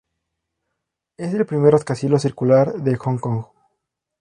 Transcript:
Es el primer rascacielos circular de Hong Kong.